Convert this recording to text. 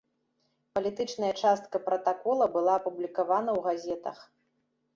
Палітычная частка пратакола была апублікавана ў газетах.